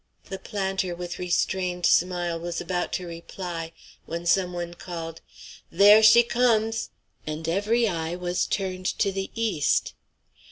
The planter, with restrained smile, was about to reply, when some one called, "There she comes!" and every eye was turned to the east.